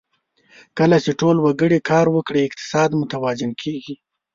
کله چې ټول وګړي کار وکړي، اقتصاد متوازن کېږي.